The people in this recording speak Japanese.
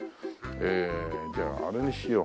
えじゃああれにしよう。